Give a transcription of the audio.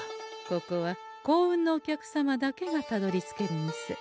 ここは幸運のお客様だけがたどりつける店。